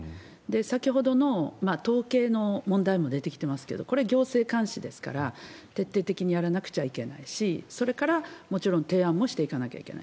先ほどの統計の問題も出てきてますけれども、これ、行政監視ですから徹底的にやらなくちゃいけないし、それからもちろん提案もしていかなきゃいけない。